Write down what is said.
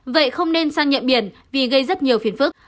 vậy không nên sang nhẹ biển vì gây rất nhiều phiền phức